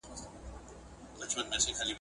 لوړتوب له منځه وړى دى